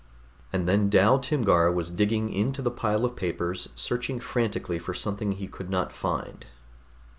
And then Dal Timgar was digging into the pile of papers, searching frantically for something he could not find.